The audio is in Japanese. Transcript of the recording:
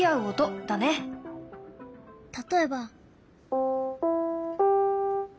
例えば。